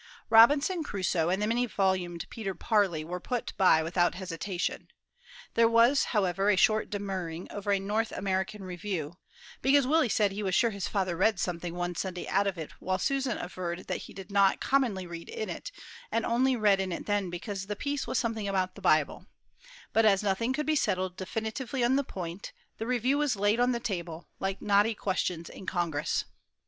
"Robinson Crusoe" and the many volumed Peter Parley were put by without hesitation; there was, however, a short demurring over a "North American Review," because Willie said he was sure his father read something one Sunday out of it while Susan averred that he did not commonly read in it, and only read in it then because the piece was something about the Bible; but as nothing could be settled definitively on the point, the review was "laid on the table," like knotty questions in Congress.